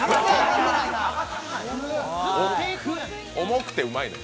重くてうまいの。